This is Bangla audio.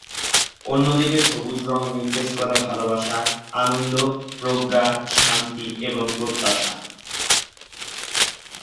অন্যদিকে সবুজ রঙ নির্দেশ করে ভালোবাসা, আনন্দ, প্রজ্ঞা, শান্তি এবং প্রত্যাশা।